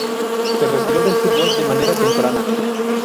Se retiró del fútbol de manera temprana.